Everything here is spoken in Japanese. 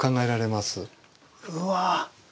うわ！